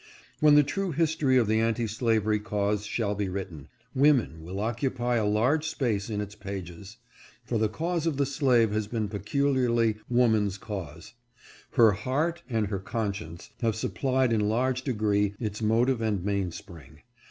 When the true history of the anti slavery cause shall be written, women will occupy a large space in its pages ; for the cause of the slave has been peculiarly woman's cause. Her heart and her con science have supplied in large degree its motive and mainspring.